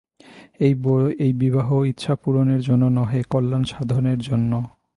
এই বিবাহ ইচ্ছাপূরণের জন্য নহে, কল্যাণসাধনের জন্য।